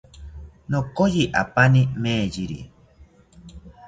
Nokoyi apani meyiri